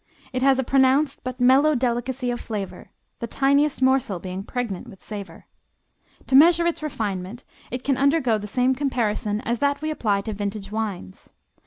"It has a pronounced, but mellow, delicacy of flavor...the tiniest morsel being pregnant with savour. To measure its refinement, it can undergo the same comparison as that we apply to vintage wines.